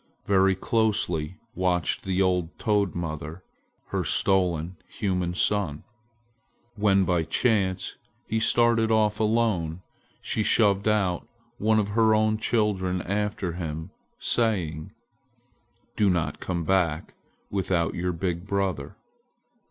Very closely watched the old toad mother her stolen human son. When by chance he started off alone, she shoved out one of her own children after him, saying: "Do not come back without your big brother."